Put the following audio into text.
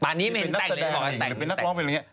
ตอนนี้เป็นนักแสดงหรือเป็นนักร้องหรืออะไรเงี้ย